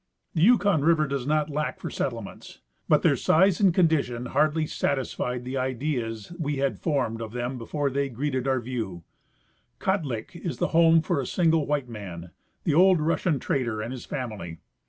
The Yukon river does not lack for settlements, but their size and condition hardly satisfied the ideas we had formed of them before they greeted our vieAV. Kotlik is the home for a single white man, the old Russian trader and his family.